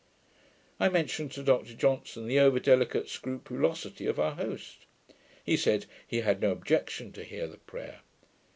I mentioned to Dr Johnson the over delicate scrupulosity of our host. He said, he had no objection to hear the prayer.